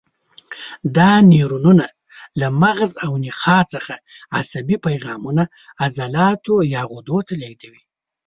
دا نیورونونه له مغز او نخاع څخه عصبي پیغامونه عضلاتو یا غدو ته لېږدوي.